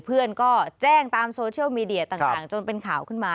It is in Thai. เพื่อนก็แจ้งตามโซเชียลมีเดียต่างจนเป็นข่าวขึ้นมา